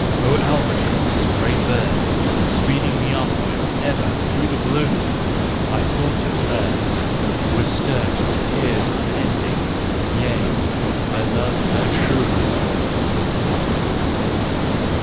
Oh albatross, great bird, Speeding me upward ever through the blue! I thought of her, was stirred To tears unending—yea, I love her true!